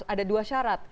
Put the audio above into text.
ada dua syarat